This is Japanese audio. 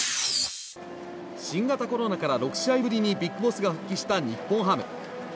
新型コロナから６試合ぶりにＢＩＧＢＯＳＳが復帰した日本ハム。